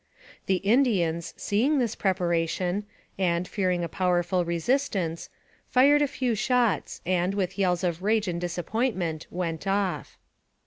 The Indians, seeing this preparation, and, fearing a powerful resistance, fired a few shots, and, with yells of rage and disappointment, went off.